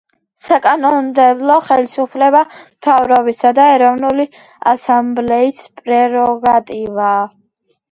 საკანონმდებლო ხელისუფლება მთავრობისა და ეროვნული ასამბლეის პრეროგატივაა.